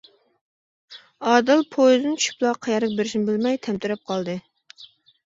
ئادىل پويىزدىن چۈشۈپلا قەيەرگە بېرىشىنى بىلمەي تەمتىرەپ قالدى.